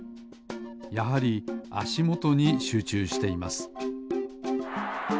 やはりあしもとにしゅうちゅうしています